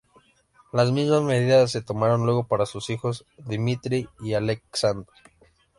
Las mismas medidas se tomaron luego para sus hijos Dmitri y Aleksandr.